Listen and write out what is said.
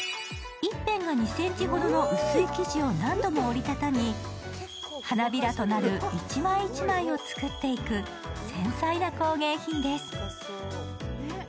１辺が２ｃｍほどの薄い生地を何回も折り畳み、花びらとなる１枚１枚を作っていく繊細な工芸品です。